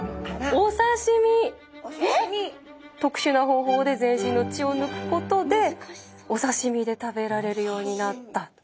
お刺身！とくしゅな方法で全身の血をぬくことでお刺身で食べられるようになったと。